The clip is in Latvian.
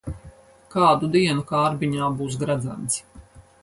Kādu dienu kārbiņā būs gredzens.